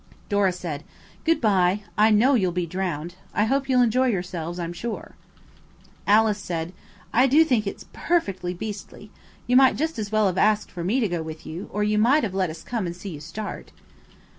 Dora said, "Goodbye, I know you'll be drowned. I hope you'll enjoy yourselves, I'm sure!" Alice said, "I do think it's perfectly beastly. You might just as well have asked for me to go with you; or you might let us come and see you start."